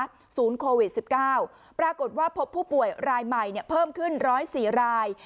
ศูนย์โควิด๑๙ปรากฏว่าพบผู้ป่วยรายใหม่เพิ่มขึ้น๑๐๔ราย